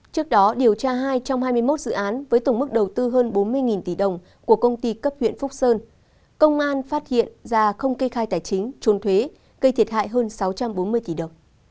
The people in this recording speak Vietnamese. trước đó điều tra hai trong hai mươi một dự án với tổng mức đầu tư hơn bốn mươi tỷ đồng của công ty cấp huyện phúc sơn công an phát hiện ra không kê khai tài chính trốn thuế gây thiệt hại hơn sáu trăm bốn mươi tỷ đồng